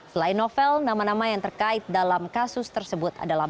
selain novel nama nama yang terkait dalam kasus tersebut adalah